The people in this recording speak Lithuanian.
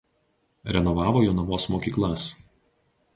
Renovavo Jonavos mokyklas.